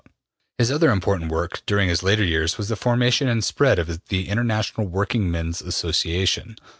'' His other important work during his later years was the formation and spread of the International Working Men's Association.